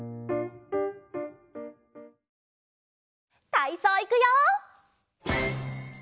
たいそういくよ！